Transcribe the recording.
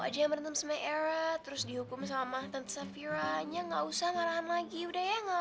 udah merintum semuju er khusus dihukum sama tentara u largest usang another lagi udah enggak